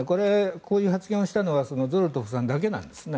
こういう発言をしたのはゾロトフさんだけなんですね。